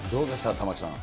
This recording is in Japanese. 玉城さん。